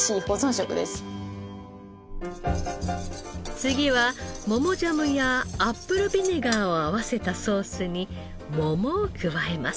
次は桃ジャムやアップルビネガーを合わせたソースに桃を加えます。